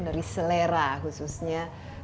dari selera khususnya